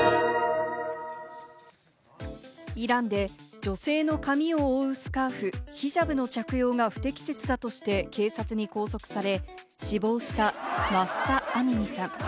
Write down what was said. イランで女性の髪を覆うスカーフ、ヒジャブの着用が不適切だとして警察に拘束され、死亡したマフサ・アミニさん。